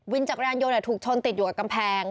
จักรยานยนต์ถูกชนติดอยู่กับกำแพง